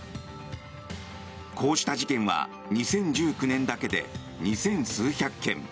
こうした事件は２０１９年だけで２０００数百件。